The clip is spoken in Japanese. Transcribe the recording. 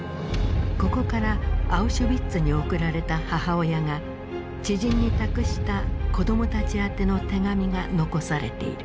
ここからアウシュビッツに送られた母親が知人に託した子どもたち宛ての手紙が残されている。